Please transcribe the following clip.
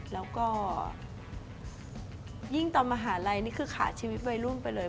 แล้วก็ยิ่งตอนมหาลัยนี่คือขาดชีวิตวัยรุ่นไปเลย